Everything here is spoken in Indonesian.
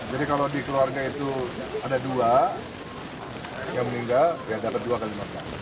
jadi kalau di keluarga itu ada dua yang meninggal ya dapat dua kali makasih